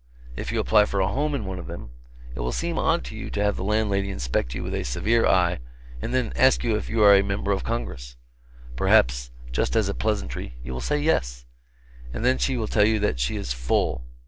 If you apply for a home in one of them, it will seem odd to you to have the landlady inspect you with a severe eye and then ask you if you are a member of Congress. Perhaps, just as a pleasantry, you will say yes. And then she will tell you that she is "full."